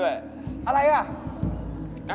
เกิดอะไรขึ้น